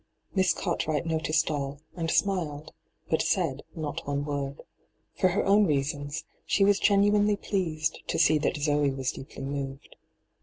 Miss Cartwright noticed all, and smiled, but aatd not one word. For her own reasons, she was genuinely pleased to see that Zee was deeply moved.